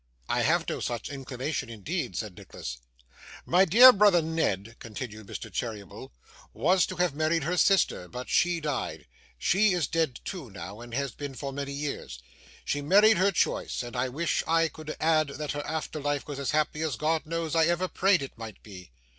'I have no such inclination, indeed,' said Nicholas. 'My dear brother Ned,' continued Mr. Cheeryble, 'was to have married her sister, but she died. She is dead too now, and has been for many years. She married her choice; and I wish I could add that her after life was as happy as God knows I ever prayed it might be!